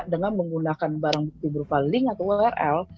dengan menggunakan barang bukti berupa link atau url